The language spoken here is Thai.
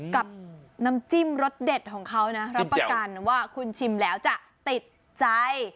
กับน้ำจิ้มรสเด็ดของเขานะรับประกันว่าคุณชิมแล้วจะติดใจ